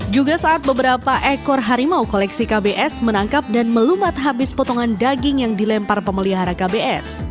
juga saat beberapa ekor harimau koleksi kbs menangkap dan melumat habis potongan daging yang dilempar pemelihara kbs